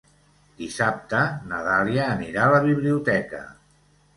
Dissabte na Dàlia anirà a la biblioteca.